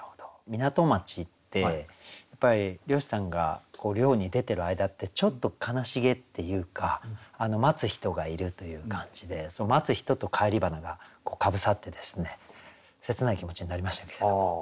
港町ってやっぱり漁師さんが漁に出てる間ってちょっと悲しげっていうか待つ人がいるという感じで待つ人と「返り花」がかぶさってですね切ない気持ちになりましたけれども。